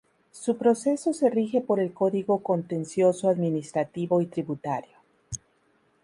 Su proceso se rige por el Código Contencioso Administrativo y Tributario.